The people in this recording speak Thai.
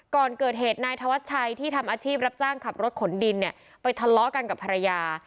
ก่อนเกิดเหตุนายธวัชชัยที่ทำอาชีพรับจ้างขับรถขนดินเนี่ยไปทะเลาะกันกับภรรยา